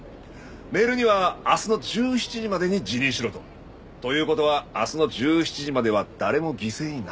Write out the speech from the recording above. メールには明日の１７時までに辞任しろと。という事は明日の１７時までは誰も犠牲にならない。